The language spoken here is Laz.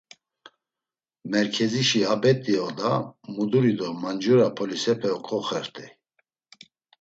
Merkezişi a bet̆i oda, muduri do mancura polisepe oǩoxert̆ey.